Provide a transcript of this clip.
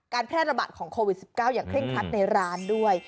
แพร่ระบาดของโควิด๑๙อย่างเคร่งครัดในร้านด้วย